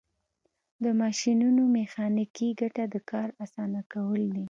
د ماشینونو میخانیکي ګټه د کار اسانه کول دي.